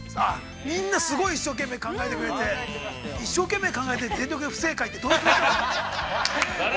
◆みんな、すごい一生懸命、考えてくれて、一生懸命考えて、全力で不正解って、どういうこと。